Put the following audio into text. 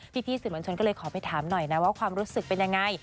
พี่สื่อมวลชนก็เลยขอไปถามหน่อยนะว่าความรู้สึกเป็นยังไง